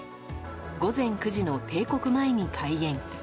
午前９時の定刻前に開園。